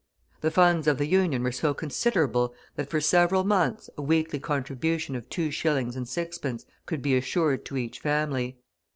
The funds of the Union were so considerable that for several months a weekly contribution of 2s. 6d. could be assured to each family.